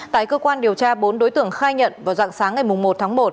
tại cơ quan điều tra bốn đối tượng khai nhận vào dạng sáng ngày một tháng một